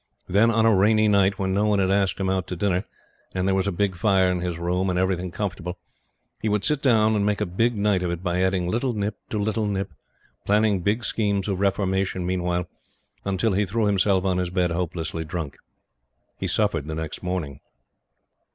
Then, on a rainy night, when no one had asked him out to dinner, and there was a big fire in his room, and everything comfortable, he would sit down and make a big night of it by adding little nip to little nip, planning big schemes of reformation meanwhile, until he threw himself on his bed hopelessly drunk. He suffered next morning.